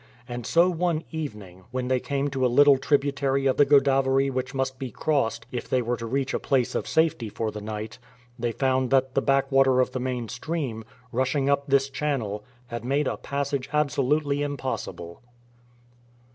And so one evening, when they came to a little tributary of the Godavery which must be crossed if they were to reach a place of safety for the night, they found that the backwater of the main stream, rushing up this channel, had made a passage absolutely impossible.